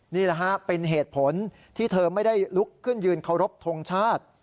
นี่แหละฮะเป็นเหตุผลที่เธอไม่ได้ลุกขึ้นยืนเคารพทงชาติ